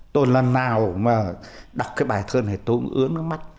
tôi lần nào mà đọc cái bài thơ này tôi cũng ướt nước mắt